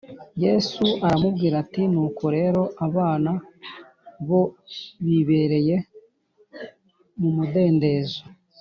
Yesu aramubwira ati “Nuko rero abana bo bibereye mu mudendezo